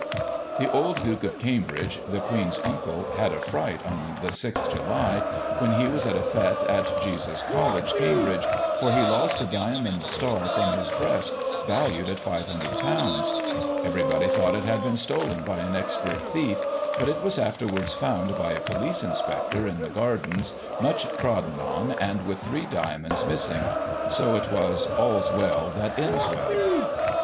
The old Duke of Cambridge (the Queen's uncle) had a fright, on the 6 July, when he was at a fete at Jesus College, Cambridge, for he lost the diamond star from his breast, valued at ;£"5C)0. Everybody thought it had been stolen by an expert thief, but it Wcis afterwards found by a Police Inspector, in the gardens, much trodden on, and with three diamonds miss ing ; so it Wets " All's well that ends well."